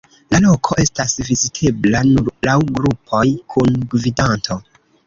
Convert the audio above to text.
La loko estas vizitebla nur laŭ grupoj, kun gvidanto.